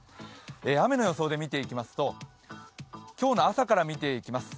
雨の予想で見ていきますと今日の朝から見ていきます。